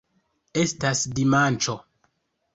Estas dimanĉo.